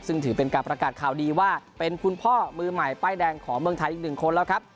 ซึ่งถือเป็นการประกาศข่าวดีว่าเป็นคุณพ่อมือใหม่ป้ายแดงของเมืองไทยอีกหนึ่งคนแล้วครับ